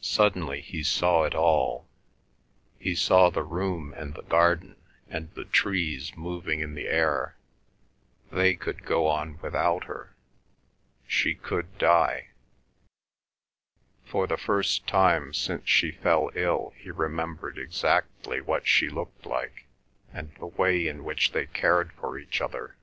Suddenly he saw it all. He saw the room and the garden, and the trees moving in the air, they could go on without her; she could die. For the first time since she fell ill he remembered exactly what she looked like and the way in which they cared for each other.